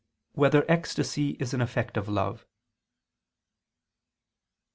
3] Whether Ecstasy Is an Effect of Love?